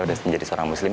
udah menjadi seorang muslim